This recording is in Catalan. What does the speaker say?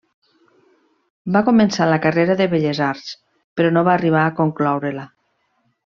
Va començar la carrera de Belles arts, però no va arribar a concloure-la.